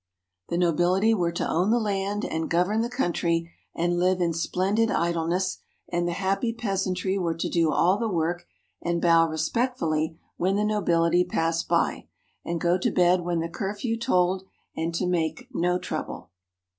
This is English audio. The nobility were to own the land, and govern the country, and live in splendid idleness, and the happy peasantry were to do all the work, and bow respectfully when the nobility passed by, and go to bed when the curfew tolled, and to make no trouble.